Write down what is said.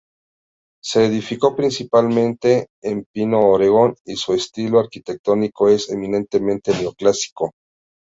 Se edificó principalmente en pino oregón y su estilo arquitectónico es eminentemente neoclásico.